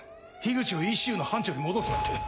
口をＥＣＵの班長に戻すなんて。